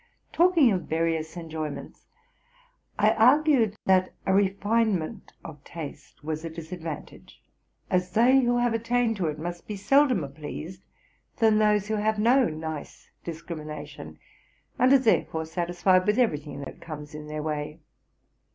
Talking of various enjoyments, I argued that a refinement of taste was a disadvantage, as they who have attained to it must be seldomer pleased than those who have no nice discrimination, and are therefore satisfied with every thing that comes in their way.